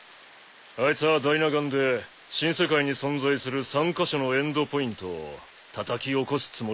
あいつはダイナ岩で新世界に存在する３カ所のエンドポイントをたたき起こすつもりなのよ。